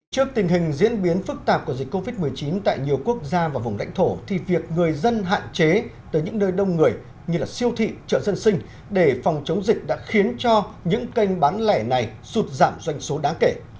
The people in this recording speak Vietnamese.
trước tình hình diễn biến phức tạp của dịch covid một mươi chín tại nhiều quốc gia và vùng lãnh thổ thì việc người dân hạn chế tới những nơi đông người như siêu thị chợ dân sinh để phòng chống dịch đã khiến cho những kênh bán lẻ này sụt giảm doanh số đáng kể